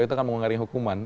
itu akan mengunggari hukuman